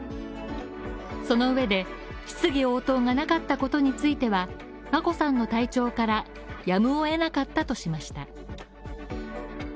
その上で、質疑応答がなかったことについては、眞子さんの体調からやむを得なかったとしました。